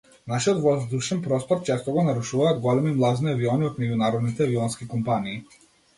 Нашиот воздушен простор често го нарушуваат големи млазни авиони од меѓународните авионски компании.